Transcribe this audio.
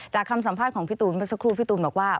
คำสัมภาษณ์ของพี่ตูนเมื่อสักครู่พี่ตูนบอกว่า